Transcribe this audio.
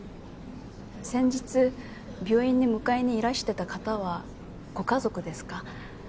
先日病院に迎えにいらしてた方はご家族ですか？